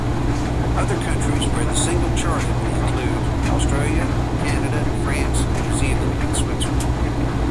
Other countries where the single charted include Australia, Canada, France, New Zealand and Switzerland.